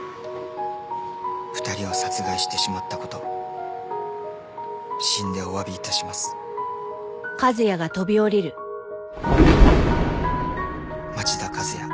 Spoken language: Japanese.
「二人を殺害してしまったこと死んでお詫び致します」「町田和也」